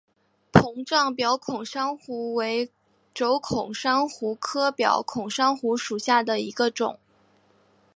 膨胀表孔珊瑚为轴孔珊瑚科表孔珊瑚属下的一个种。